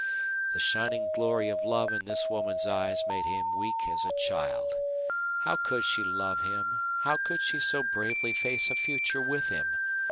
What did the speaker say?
The shining glory of love in this woman's eyes made him weak as a child. How could she love him how could she so bravely face a future with him?